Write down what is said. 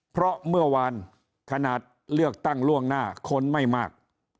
เพราะเมื่อวานขนาดเลือกตั้งล่วงหน้าคนไม่มาก